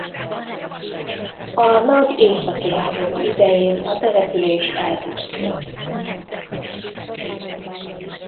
A Nagy Északi Háború idején a település elpusztult.